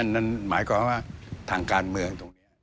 นั่นหมายความว่าทางการเมือง